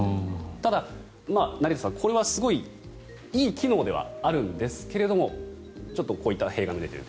ただ、成田さん、これはすごいいい機能ではあるんですがちょっとこういった弊害も出ていると。